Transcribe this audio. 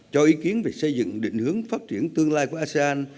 cho ý kiến về xây dựng định hướng phát triển tương lai của asean